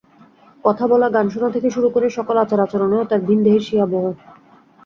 কথা বলা, গান শোনা থেকে শুরু করে সকল আচার-আচরণেও তাঁর ভিনদেশি আবহ।